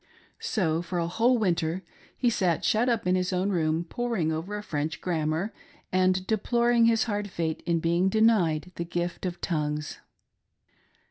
So, for a whole winter, he sat shut up in his own room poring over a French grammar, and deploring his hard fate in being denied the gift of tongues.